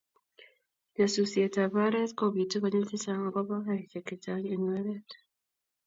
nyasusietab oret kobiitu konyil chechang agoba karishek chechang eng oret